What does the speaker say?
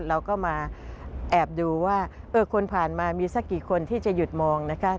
เราก็มาแอบดูว่าคนผ่านมามีสักกี่คนที่จะหยุดมองนะคะ